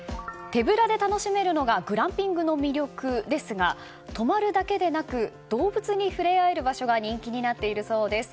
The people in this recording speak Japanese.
手ぶらで楽しめるのがグランピングの魅力ですが泊まるだけでなく動物に触れ合える場所が人気になっているそうです。